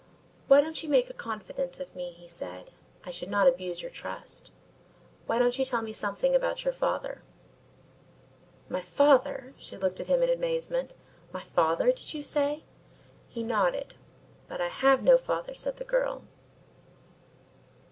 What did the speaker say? "Why don't you make a confidant of me, Miss Rider?" he said. "I should not abuse your trust. Why don't you tell me something about your father?" "My father?" she looked at him in amazement. "My father, did you say?" He nodded. "But I have no father," said the girl.